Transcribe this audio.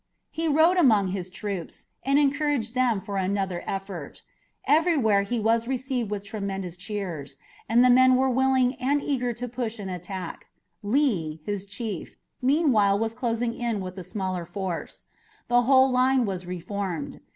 He rode among his troops and encouraged them for another effort. Everywhere he was received with tremendous cheers, and the men were willing and eager to push on the attack. Lee, his chief, meanwhile was closing in with the smaller force. The whole line was reformed.